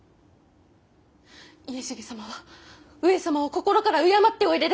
家重様は上様を心から敬っておいでです。